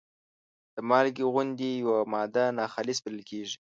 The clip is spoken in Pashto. د مالګې غوندې یوه ماده ناخالصې بلل کیږي.